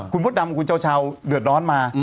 คุณพุทธดำคุณเจ้าชาวเดือดร้อนมา